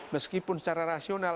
meskipun secara rasional